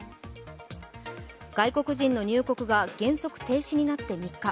外国人の入国が原則停止になって３日。